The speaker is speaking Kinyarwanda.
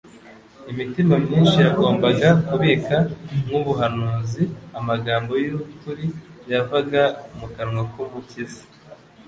Imitima myinshi yagombaga kubika nk'ubuhanuzi amagambo y'ukuri yavaga mu kanwa k'Umukiza